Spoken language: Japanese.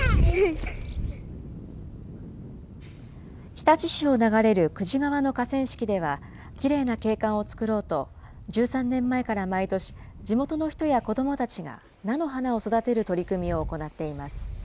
日立市を流れる久慈川の河川敷では、きれいな景観を作ろうと、１３年前から毎年、地元の人や子どもたちが菜の花を育てる取り組みを行っています。